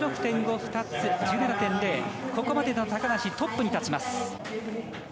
ここまでの高梨トップに立ちます。